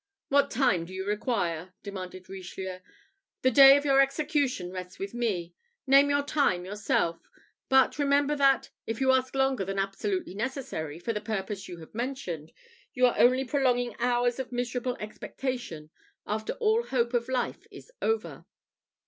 "What time do you require?" demanded Richelieu. "The day of your execution rests with me. Name your time yourself; but remember that, if you ask longer than absolutely necessary for the purpose you have mentioned, you are only prolonging hours of miserable expectation, after all hope of life is over."